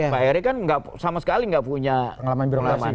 pak erik kan sama sekali nggak punya pengalaman di birokrasi